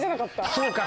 そうか。